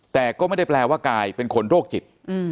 แต่ก็ไม่ได้แปลว่ากลายเป็นคนโรคจิต